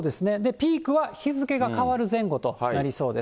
ピークは日付が変わる前後となりそうです。